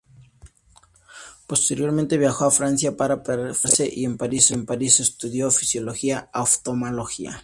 Posteriormente viajó a Francia para perfeccionarse, y en París estudió fisiología y oftalmología.